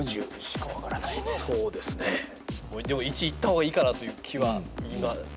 でも１いった方がいいかなという気は。